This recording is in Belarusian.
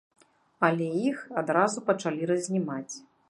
Але іх адразу пачалі разнімаць.